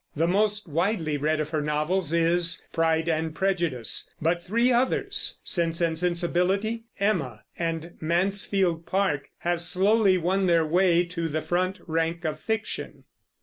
The most widely read of her novels is Pride and Prejudice; but three others, Sense and Sensibility, Emma, and Mansfield Park, have slowly won their way to the front rank of fiction.